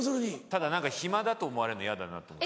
ただ何か暇だと思われるの嫌だなと。